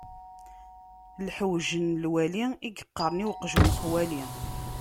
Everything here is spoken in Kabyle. Lḥewj n lwali i yeqqaṛen i uqjun xali.